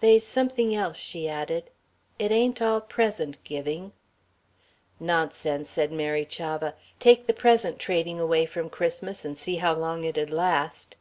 "They's something else," she added, "it ain't all present giving...." "Nonsense," said Mary Chavah, "take the present trading away from Christmas and see how long it'd last.